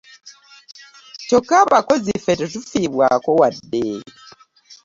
Kyokka abakozi ffe tetufiibwako wadde.